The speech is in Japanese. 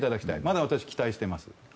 まだ私、期待してます。